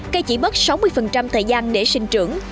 cây chỉ bớt sáu mươi thời gian để sinh trưởng